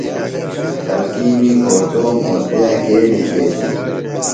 خلکِیمی گھوݜٹوم اوستِیا کے نِکھیتِم؟